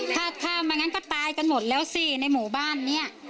ถ้าถ้าไม่งั้นก็ตายกันหมดแล้วสิในหมู่บ้านเนี่ย